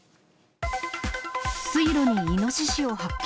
水路にイノシシを発見。